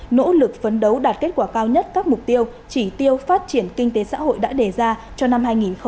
nỗ lực phấn đấu đạt kết quả cao nhất các mục tiêu chỉ tiêu phát triển kinh tế xã hội đã đề ra cho năm hai nghìn hai mươi